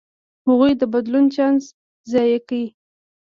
هغوی د بدلون چانس ضایع کړ.